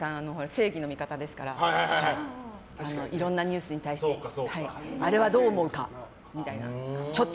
「セイギの味方」ですからいろんなニュースに対してあれはどう思うかみたいな。